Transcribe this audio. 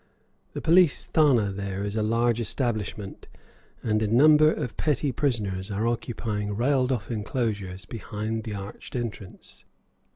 The police thana here is a large establishment, and a number of petty prisoners are occupying railed off enclosures beneath the arched entrance.